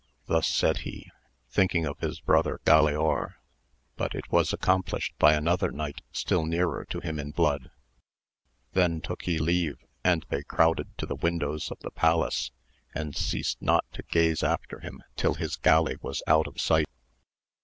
Thus said he, thinking of his brother Galaor, but it was accomplished by another knight still nearer to him in blood ; then took he leave and they crowded to the windows of the palace, and ceased not to gaze after him tiU his galley was out of sight.